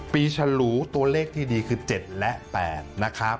ฉลูตัวเลขที่ดีคือ๗และ๘นะครับ